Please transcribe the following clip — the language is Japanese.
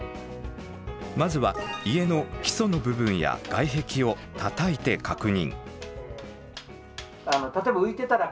まずは家の基礎の部分や外壁をたたいて確認。